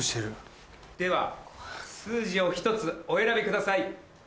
では数字を１つお選びください。